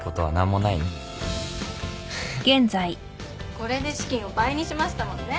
これで資金を倍にしましたもんね。